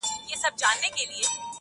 ارمانونه یې ګورته وړي دي -